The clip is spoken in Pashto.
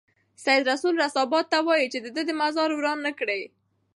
سید رسول رسا باد ته وايي چې د ده مزار وران نه کړي.